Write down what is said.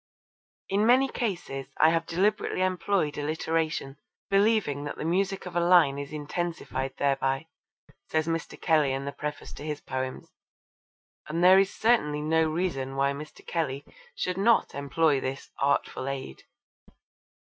'In many cases I have deliberately employed alliteration, believing that the music of a line is intensified thereby,' says Mr. Kelly in the preface to his poems, and there is certainly no reason why Mr. Kelly should not employ this 'artful aid.'